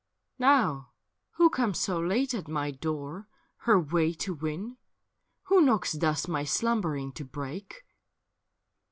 Now who comes so late at my door, her tuay to win. Who knocks thus my slumbering to break